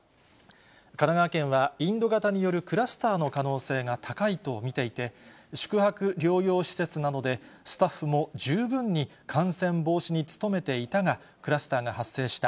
神奈川県はインド型によるクラスターの可能性が高いと見ていて、宿泊療養施設なので、スタッフも十分に感染防止に努めていたが、クラスターが発生した。